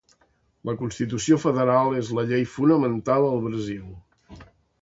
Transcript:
La Constitució Federal és la Llei Fonamental al Brasil.